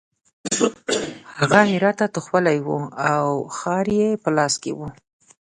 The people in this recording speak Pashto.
هغه هرات ته تښتېدلی وو او ښار یې په لاس کې وو.